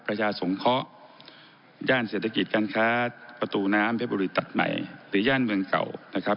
ประชาสงเคราะห์ย่านเศรษฐกิจการค้าประตูน้ำเพชรบุรีตัดใหม่หรือย่านเมืองเก่านะครับ